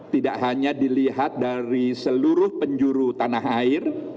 tidak hanya dilihat dari seluruh penjuru tanah air